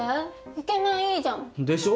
イケメンいいじゃん。でしょ？